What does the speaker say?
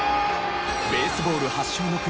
ベースボール発祥の国